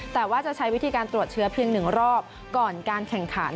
แต่ว่าจะใช้วิธีการตรวจเชื้อเพียง๑รอบก่อนการแข่งขัน